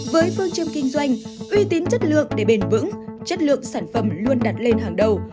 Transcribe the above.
với phương châm kinh doanh uy tín chất lượng để bền vững chất lượng sản phẩm luôn đặt lên hàng đầu